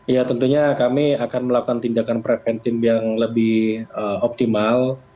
ya tentunya kami akan melakukan tindakan preventif yang lebih optimal